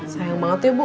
sayang banget ya bu